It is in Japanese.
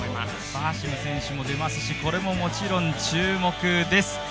バーシム選手も出ますしこれももちろん注目です。